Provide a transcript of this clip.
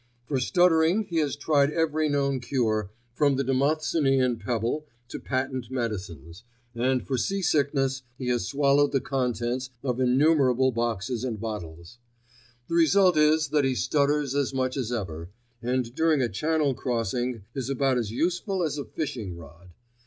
For stuttering he has tried every known cure from the Demosthenian pebble to patent medicines, and for sea sickness he has swallowed the contents of innumerable boxes and bottles. The result is that he stutters as much as ever, and during a Channel crossing is about as useful as a fishing rod.